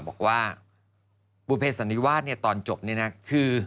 บอกว่าบุปเปนสัญญาภาษณ์ตอนจบนี้นะคือ